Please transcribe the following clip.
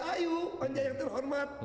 ayo panjang yang terhormat